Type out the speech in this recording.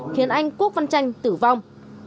khiến anh quốc văn tranh tử vong